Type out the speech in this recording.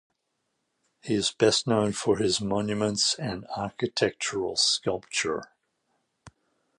He is best known for his monuments and architectural sculpture.